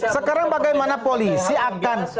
sekarang bagaimana polisi akan